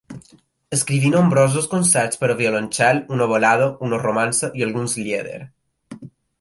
Escriví nombrosos concerts per a violoncel, una balada, una romança i alguns lieder.